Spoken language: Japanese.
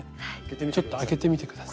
ちょっと開けてみて下さい。